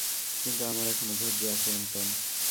কিন্তু আমার এখনো ধৈর্য আছে এন্টন।